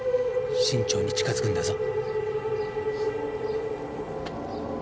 慎重に近づくんだぞ。